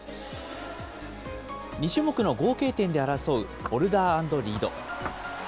２種目の合計点で争うボルダー＆リード。